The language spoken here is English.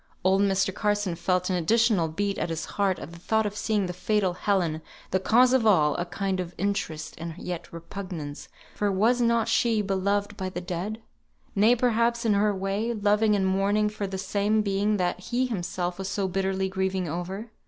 Old Mr. Carson felt an additional beat at his heart at the thought of seeing the fatal Helen, the cause of all a kind of interest and yet repugnance, for was not she beloved by the dead; nay, perhaps in her way, loving and mourning for the same being that he himself was so bitterly grieving over?